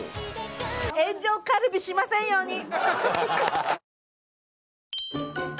炎上カルビしませんように。